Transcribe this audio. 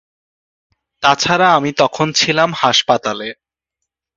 তা ছাড়া আমি তখন ছিলাম হাসপাতালে।